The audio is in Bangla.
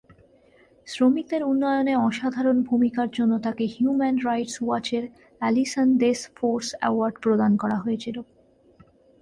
শ্রমিকদের উন্নয়নে অসাধারণ ভূমিকার জন্য তাকে হিউম্যান রাইটস ওয়াচের অ্যালিসন দেস ফোর্স অ্যাওয়ার্ড প্রদান করা হয়েছিল।